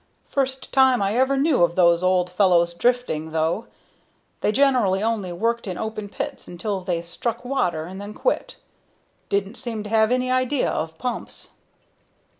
First time I ever knew of those old fellows drifting, though. They generally only worked in open pits until they struck water, and then quit. Didn't seem to have any idea of pumps."